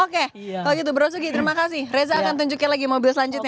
oke kalau youtuber rozuki terima kasih reza akan tunjukin lagi mobil selanjutnya